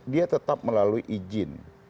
dia tetap melalui izin